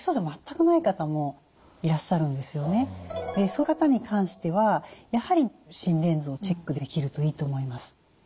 そういう方に関してはやはり心電図をチェックできるといいと思います。